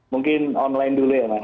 mungkin online dulu ya mas